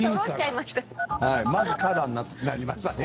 まずカラーになりましたね。